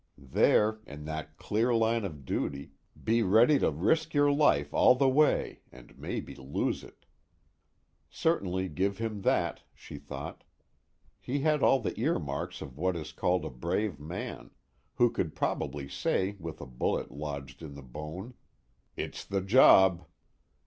There, in that clear line of duty, be ready to risk your life all the way and maybe lose it. Certainly give him that, she thought. He had all the earmarks of what is called a brave man, who could probably say with a bullet lodged in the bone: "It's the job."